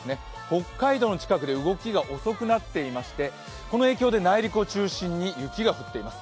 北海道の近くで動きが遅くなっていましてこの影響で内陸を中心に雪が降っています。